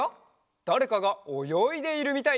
だれかがおよいでいるみたい！